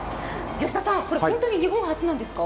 これ、本当に日本初なんですか？